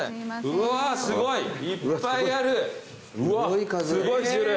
うわすごい種類。